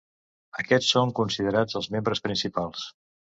Aquests són considerats els membres principals.